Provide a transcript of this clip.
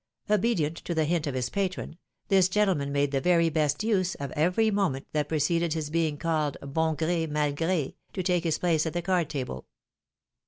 Obedient to the hint of his patron, this gentleman made the very best use of every moment that preceded his being called, ion gre, mal gre, to take his place at the card table.